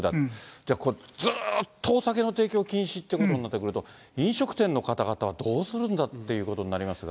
じゃあ、ずーっとお酒の提供禁止っていうことになってくると、飲食店の方々はどうするんだっていうことになりますが。